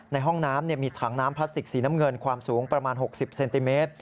ในห้องน้ำมีถังน้ำพลาสติกสีน้ำเงินความสูงประมาณ๖๐เซนติเมตร